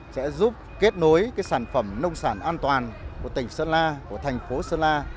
sẽ giúp kết nối sản phẩm nông sản an toàn của tỉnh sơn la của thành phố sơn la